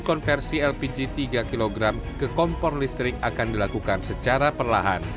konversi lpg tiga kg ke kompor listrik akan dilakukan secara perlahan